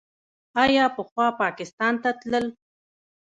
آیا پخوا پاکستان ته تلل؟